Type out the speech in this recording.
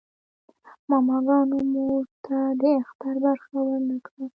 ماماګانو مور ته د اختر برخه ورنه کړه.